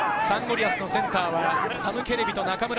リアスのセンターはサム・ケレビと中村亮